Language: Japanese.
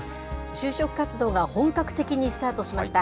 就職活動が本格的にスタートしました。